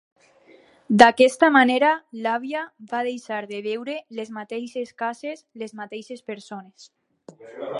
D'aquesta manera l'àvia va deixar de veure les mateixes cases, les mateixes persones.